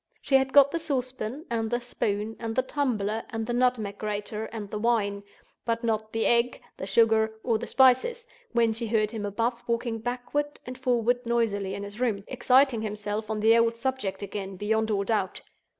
She had got the saucepan, and the spoon, and the tumbler, and the nutmeg grater, and the wine—but not the egg, the sugar, or the spices—when she heard him above, walking backward and forward noisily in his room; exciting himself on the old subject again, beyond all doubt.